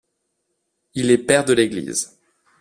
Il est Père de l'Église.